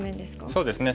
そうですね